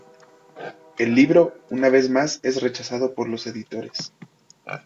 El libro una vez más es rechazado por los editores.